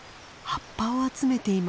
葉っぱを集めています。